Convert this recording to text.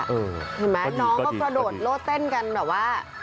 เห็นไหมน้องก็กระโดดโลดเต้นกันแบบว่า